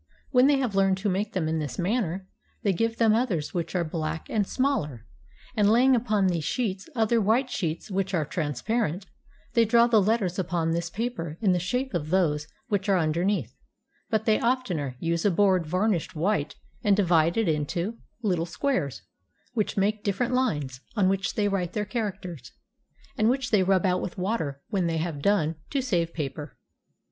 When they have learned to make them in this manner, they give them others which are black and smaller; and laying upon these sheets other white sheets which are transparent, they draw the letters upon this paper in the shape of those which are underneath; but they oftener use a board varnished white and divided into little squares, which make different lines, on which they write their characters, and which they rub out with water when they have done, to save paper.